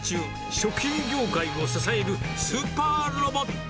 食品業界を支えるスーパーロボット。